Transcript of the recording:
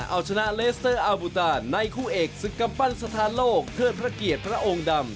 เอาชนะเลสเตอร์อาบูตานในคู่เอกศึกกำปั้นสถานโลกเทิดพระเกียรติพระองค์ดำ